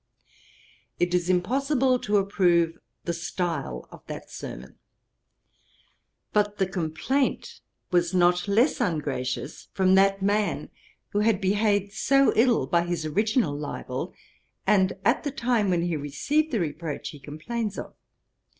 'It is impossible to approve the style of that sermon. But the complaint was not less ungracious from that man, who had behaved so ill by his original libel, and, at the time, when he received the reproach he complains of.